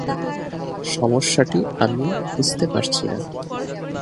সমস্যাটা আমি বুঝতে পারছি না।